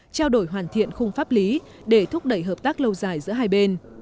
trao đổi hoàn thiện khung pháp lý để thúc đẩy hợp tác lâu dài giữa hai bên